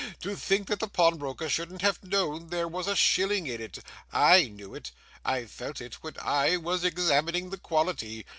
To think that the pawnbroker shouldn't have known there was a shilling in it! I knew it! I felt it when I was examining the quality.